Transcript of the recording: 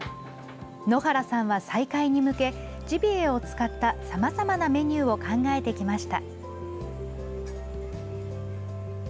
野原さんは、再開に向けジビエを使ったさまざまなメニューを考えてきました。